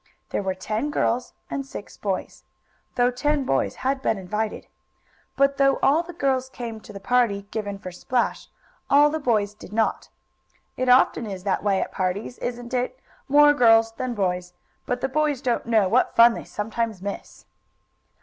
There were ten girls and six boys, though ten boys had been invited. But though all the girls came to the party given for Splash, all the boys did not. It often is that way at parties; isn't it? More girls than boys. But the boys don't know what fun they sometimes miss.